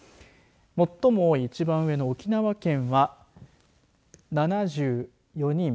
最も多い一番上の沖縄県は７４人。